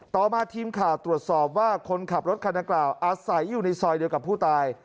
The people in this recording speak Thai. ต่อมาทีมข่าวตรวจสอบว่าคนขับรถคันดังกล่าวอาศัยอยู่ในซอยเดียวกับผู้ตาย